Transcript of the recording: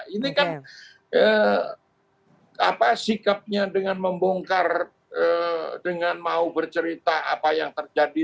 ini kan sikapnya dengan membongkar dengan mau bercerita apa yang terjadi